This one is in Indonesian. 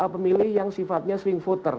pemilih yang sifatnya swing voter